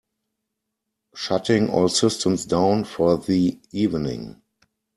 Shutting all systems down for the evening.